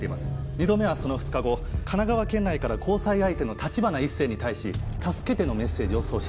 ２度目はその２日後神奈川県内から交際相手の橘一星に対し「助けて」のメッセージを送信。